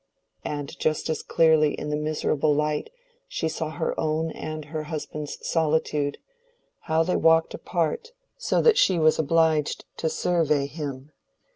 And just as clearly in the miserable light she saw her own and her husband's solitude—how they walked apart so that she was obliged to survey him.